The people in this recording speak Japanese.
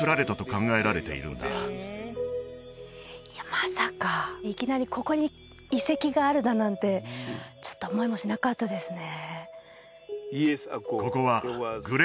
まさかいきなりここに遺跡があるだなんてちょっと思いもしなかったですね